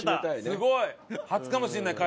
すごい！